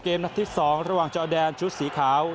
นัดที่๒ระหว่างจอแดนชุดสีขาว